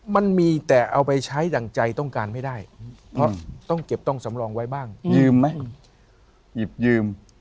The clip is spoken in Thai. มันมีแต่เอาไปใช้ดั่งใจต้องการไม่ได้เพราะต้องเก็บต้องสำรองไว้บ้างยืมไหมหยิบยืม